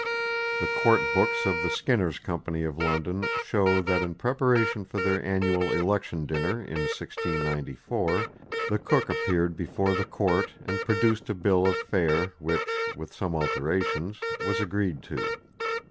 The court books of the Skinners Company of London show that in preparation for their annual Election Dinner in 1694, the cook appeared before the court and produced a bill of fare which, with some alterations, was agreed to.